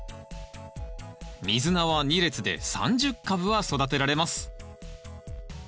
ミズナは２列で３０株は育てられます。